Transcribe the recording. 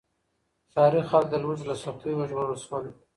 ښاري خلک د لوږې له سختیو وژغورل شول.